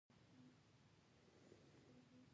سترګې به یې تل زما له سترګو سره جنګولې.